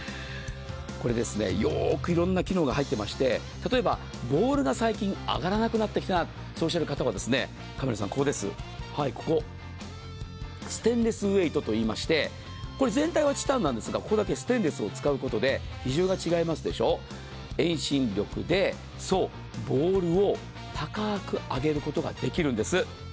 これ、よーくいろんな機能が入ってまして、例えば、ボールが最近上がらなくなってきたなとおっしゃる方は、カメラさん、ここです、ステンレスウエイトといいまして、全体はチタンなんですがここだけステンレスを使うことで比重が違いますでしょう、遠心力でそう、ボールを高く上げることができるんです。